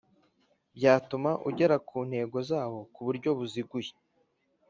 Byatuma ugera ku ntego zawo kuburyo buziguye